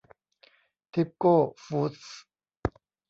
ทิปโก้ฟูดส์